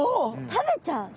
食べちゃう？